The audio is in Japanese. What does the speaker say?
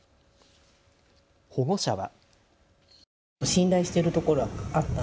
保護者は。